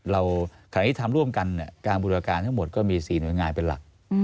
ขณะนี้ทำร่วมกันการบูรการทั้งหมดก็มี๔หน่วยงานเป็นหลัก